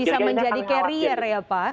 bisa menjadi carrier ya pak